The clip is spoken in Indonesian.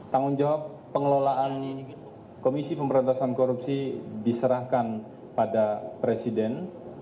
tanggung jawab pengelolaan komisi pemberantasan korupsi diserahkan pada presiden